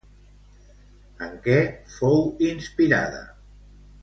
En què fou inspirada?